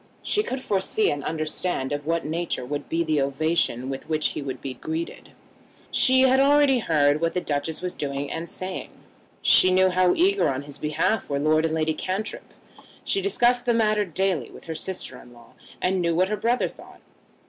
She could foresee and understand of what nature would be the ovation with which he would be greeted. She had already heard what the Duchess was doing and saying. She knew how eager on his behalf were Lord and Lady Cantrip. She discussed the matter daily with her sister in law, and knew what her brother thought.